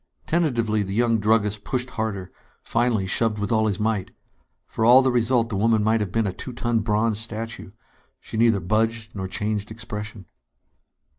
Tentatively, the young druggist pushed harder; finally, shoved with all his might. For all the result, the woman might have been a two ton bronze statue. She neither budged nor changed expression.